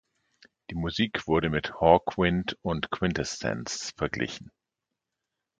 Die Musik wurde mit Hawkwind und Quintessence verglichen.